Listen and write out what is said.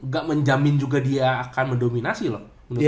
gak menjamin juga dia akan mendominasi loh